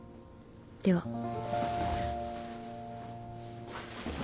では。